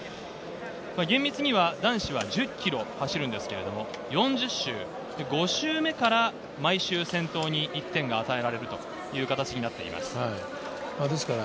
厳密には男子は１０ｋｍを走るんですけれど、４０周、５周目から毎周、先頭に１点が与えられます。